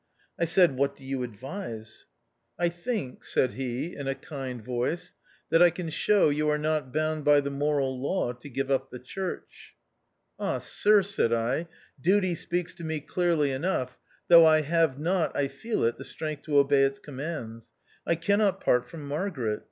I said, " What do you advise \" ii2 THE OUTCAST. "I think," said he in a kind voice, "that I can show you are not bound by the moral law to give up the church." " Ah, sir," said I, " duty speaks to me (dearly enough, though I have not, I feel it, the strength to obey its commands. I can not part from Margaret.